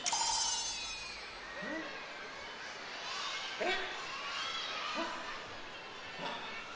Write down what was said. えっ？